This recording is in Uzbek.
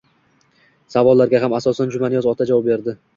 Savollarga ham asosan Jumaniyoz ota javob berdi